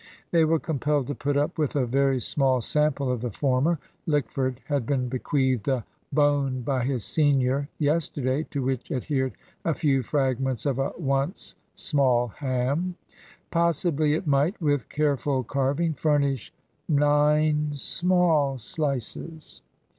They were compelled to put up with a very small sample of the former. Lickford had been bequeathed a bone by his senior yesterday, to which adhered a few fragments of a once small ham. Possibly it might, with careful carving, furnish nine small slices.